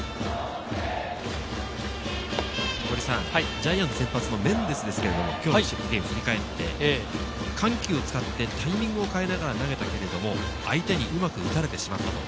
ジャイアンツ先発のメンデスですけれど、きょうのゲームを振り返って、緩急を使ってタイミングを変えながら投げたけれども、相手にうまく打たれてしまった。